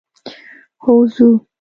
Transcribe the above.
هو ځو.